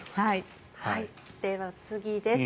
では次です。